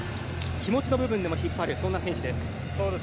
気持ちの部分でも引っ張るそういう選手です。